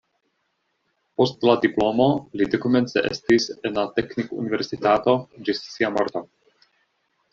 Post la diplomo li dekomence estis en la teknikuniversitato ĝis sia morto.